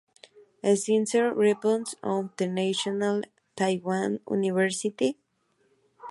Science Reports of the National Taiwan University".